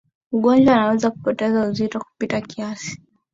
mgonjwa anaweza kupoteza uzito kupita kiasi